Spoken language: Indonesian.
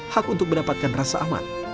hak untuk mendapatkan rasa aman